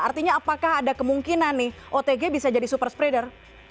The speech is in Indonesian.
artinya apakah ada kemungkinan nih otg bisa jadi super spreader